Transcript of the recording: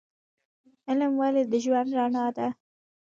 علم ولې د ژوند رڼا ده؟